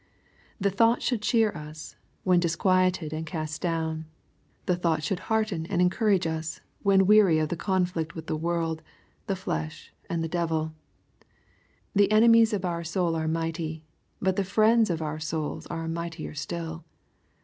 The thought should cheer us, when disquieted and cast down. The thought should hearten and encourage us, when weary of the conflict with the world, the flesh, and the deviL The enemies of our souls are mighty, but the Friends of our souls are mightier still.